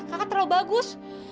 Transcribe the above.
kakak terlalu bagus